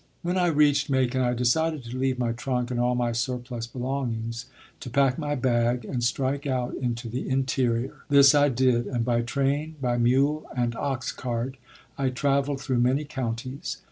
When I reached Macon, I decided to leave my trunk and all my surplus belongings, to pack my bag, and strike out into the interior. This I did; and by train, by mule and ox cart, I traveled through many counties.